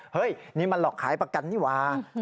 เฮ้ยนี่มันหลอกขายประกันนี่ว่า